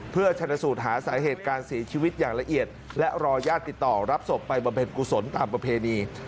เพื่อชนะสูตรหาสาเหตุการเสียชีวิตอย่างละเอียดและรอญาติติดต่อรับศพไปบำเพ็ญกุศลตามประเพณี